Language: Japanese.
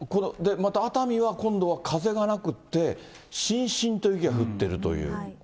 また熱海は今度は風がなくって、しんしんと雪が降ってるという。